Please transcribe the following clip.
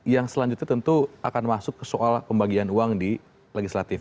yang selanjutnya tentu akan masuk ke soal pembagian uang di legislatif